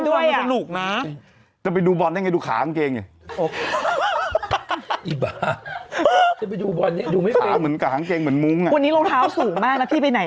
โอ้วจาอุเข้าถูกประกาศเป็นวันหยุดหรือนอนดีใจ